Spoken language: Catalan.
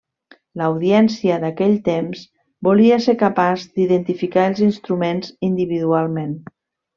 L’audiència d’aquell temps volia ser capaç d’identificar els instruments individualment.